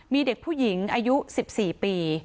มีเด็กผู้หญิงอายุ๑๔ปี